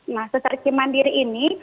nah sesar cemandiri ini